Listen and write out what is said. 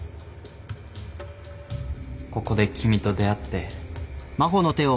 ここで君と出会って。